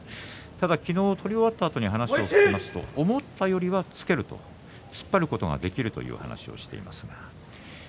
ただ昨日取り終わったあとに話を聞くと、思ったよりは突けると突っ張ることができるという話をしています。